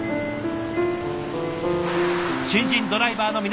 新人ドライバーの皆さん